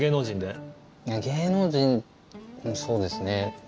芸能人そうですね。